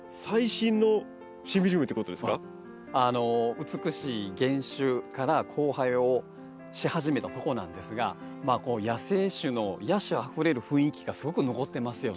あの美しい原種から交配をし始めたとこなんですがまあこう野生種の野趣あふれる雰囲気がすごく残ってますよね。